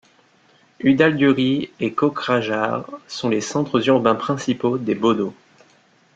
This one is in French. Udalguri et Kokrajhar sont les centres urbains principaux des Bodo.